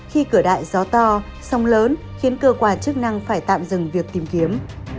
khi cửa đại gió to sông lớn khiến cơ quan chức năng phải tạm dừng việc tìm kiếm